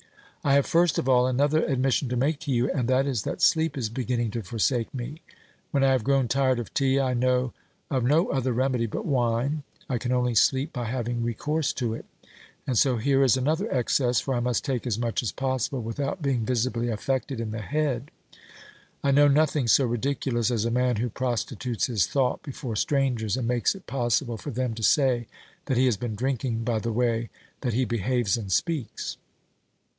I have first of all another admission to make to you, and that is that sleep is beginning to forsake me. When I have grown tired of tea, I know of no other remedy but wine ; I can only sleep by having recourse to it, and so here is another excess, for I must take as much as possible without being visibly affected in the head. I know nothing so ridiculous as a man who prostitutes his thought before strangers, and makes it possible for them to say that he has been drinking by the way that he behaves and speaks.